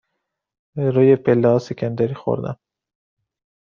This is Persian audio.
روی پله ها سکندری خوردم.